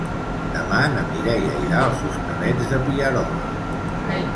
Demà na Mireia irà als Hostalets de Pierola.